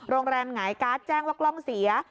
โรงแรมหงายการ์ดแจ้งว่ากล้องเสีย